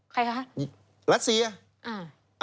ใครฮะรัศบียะ